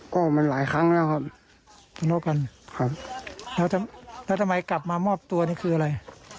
ก็มันหลายครั้งแล้วครับทะเลาะกันครับแล้วแล้วทำไมกลับมามอบตัวนี่คืออะไร